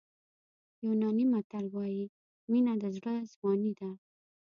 یوناني متل وایي مینه د زړه ځواني ده.